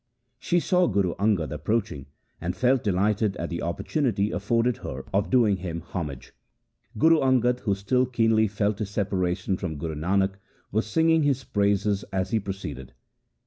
She saw Guru Angad approaching and felt delighted at the opportunity afforded her of doing him homage. Guru Angad, who still keenly felt his separation from Guru Nanak, was singing his praises as he proceeded.